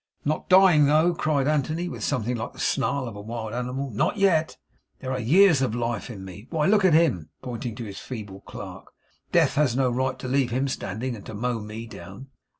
'Not dying though!' cried Anthony, with something like the snarl of a wild animal. 'Not yet! There are years of life in me. Why, look at him,' pointing to his feeble clerk. 'Death has no right to leave him standing, and to mow me down!